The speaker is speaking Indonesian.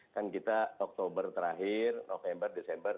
kan kita oktober terakhir november desember